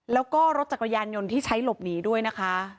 แล้วก็รถจักรยานยนต์ที่ใช้หลบหนีด้วยนะคะ